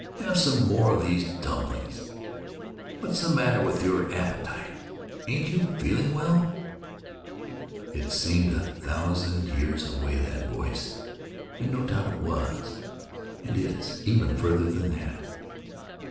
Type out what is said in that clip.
Have some more of these dumplings? What's the matter with your appetities? Ain't you feelin' well?' It seemed a thousand years away, that voice; and no doubt it was, and is, even farther than that.